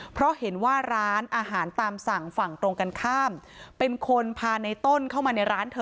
เพราะเห็นว่าร้านอาหารตามสั่งฝั่งตรงกันข้ามเป็นคนพาในต้นเข้ามาในร้านเธอ